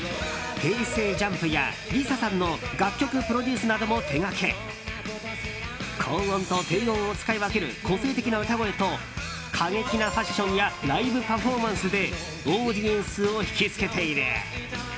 ＪＵＭＰやＬｉＳＡさんの楽曲プロデュースなども手掛け高音と低音を使い分ける個性的な歌声と過激なファッションやライブパフォーマンスでオーディエンスを引き付けている。